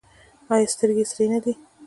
ایا سترګې یې سرې نه دي؟